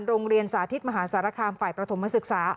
โรงเรียนสาธิตมหาสารคามฝ่ายประถมศึกษา